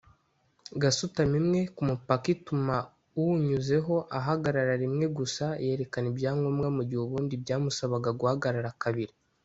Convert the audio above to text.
Gasutamo imwe ku mupaka ituma uwunyuzeho ahagarara rimwe gusa yerekana ibyangombwa mu gihe ubundi byamusabaga guhagarara kabiri